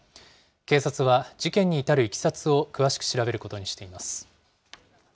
警察は、事件に至るいきさつを詳しく調べることにしています。